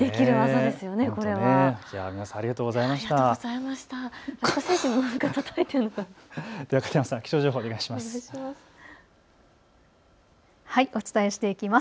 では片山さん、気象情報お願いします。